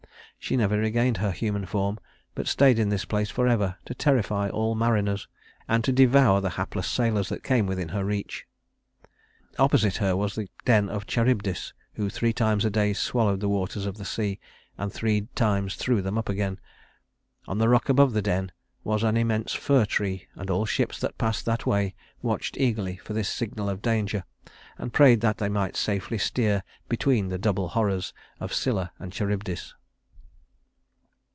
She never regained her human form, but stayed in this place forever to terrify all mariners, and to devour the hapless sailors that came within her reach. Opposite her was the den of Charybdis, who three times a day swallowed the waters of the sea, and three times threw them up again. On the rock above the den was an immense fir tree, and all ships that passed that way watched eagerly for this signal of danger, and prayed that they might safely steer between the double horrors of Scylla and Charybdis.